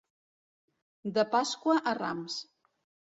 De Pasqua a Rams.